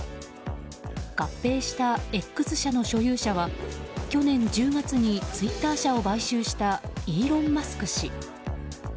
合併したＸ社の所有者は去年１０月にツイッター社を買収したイーロン・マスク氏。